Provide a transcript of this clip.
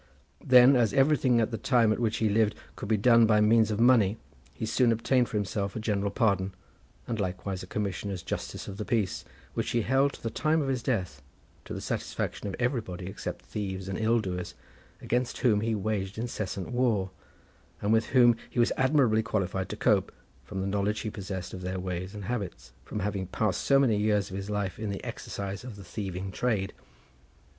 Then, as everything at the time at which he lived could be done by means of money, he soon obtained for himself a general pardon, and likewise a commission as justice of the peace, which he held to the time of his death, to the satisfaction of everybody except thieves and ill doers, against whom he waged incessant war, and with whom he was admirably qualified to cope, from the knowledge he possessed of their ways and habits, from having passed so many years of his life in the exercise of the thieving trade.